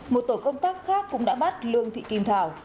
một tổ công tác khác cũng đã bắt lương thị kim thảo